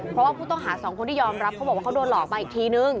เพราะว่าผู้ต้องหาสองคนที่ยอมรับเขาบอกว่าเขาโดนหลอกมาอีกทีนึง